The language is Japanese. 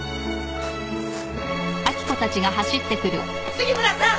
杉村さん！